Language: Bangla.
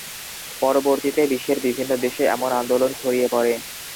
পরবর্তীতে বিশ্বের বিভিন্ন দেশে এমন আন্দোলন ছড়িয়ে পড়ে।